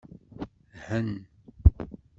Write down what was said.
Han.